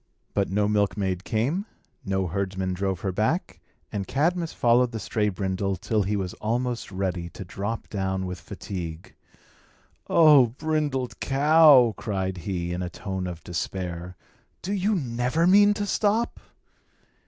But no milkmaid came; no herdsman drove her back; and Cadmus followed the stray brindle till he was almost ready to drop down with fatigue. "O brindled cow," cried he, in a tone of despair, "do you never mean to stop?"